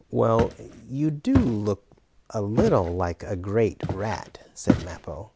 "Well, you do look a little like a great rat," said Mappo.